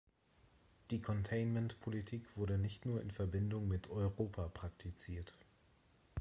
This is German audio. Die Containment-Politik wurde nicht nur in Verbindung mit Europa praktiziert.